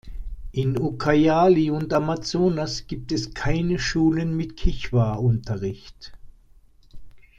In Ucayali und Amazonas gibt es keine Schulen mit Kichwa-Unterricht.